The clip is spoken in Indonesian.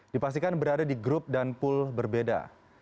dipastikan berada di grup dan pool berbeda